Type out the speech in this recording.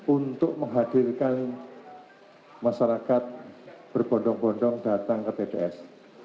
untuk menghadirkan masyarakat berbondong bondong datang ke tps